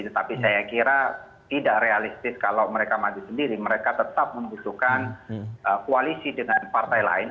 tetapi saya kira tidak realistis kalau mereka maju sendiri mereka tetap membutuhkan koalisi dengan partai lain